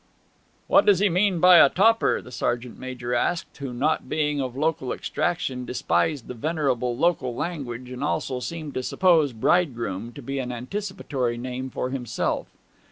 'What does he mean by a "topper,"' the sergeant major asked, who, not being of local extraction, despised the venerable local language, and also seemed to suppose 'bridegroom' to be an anticipatory name for himself.